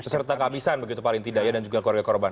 peserta kehabisan begitu paling tidak ya dan juga keluarga korban